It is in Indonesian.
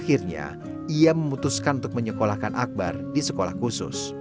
akhirnya ia memutuskan untuk menyekolahkan akbar di sekolah khusus